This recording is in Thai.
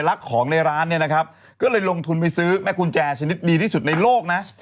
รักของในร้านเนี่ยนะครับก็เลยลงทุนไปซื้อแม่กุญแจชนิดดีที่สุดในโลกนะ